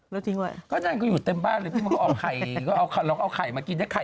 ได้กินไข่ในสุดมันตอนนี้ทุกวันนี้มดดำกินไข่